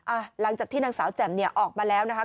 อ่ะหลังจากที่หนังสาวแจ่มออกมาแล้วนะคะ